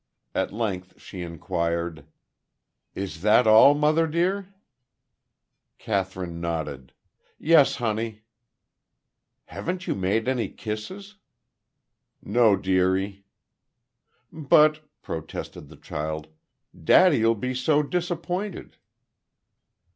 At length she inquired: "Is that all, mother dear?" Kathryn nodded. "Yes, honey." "Haven't you made any kisses?" "No, dearie." "But," protested the child, "daddy'll be so disappointed!"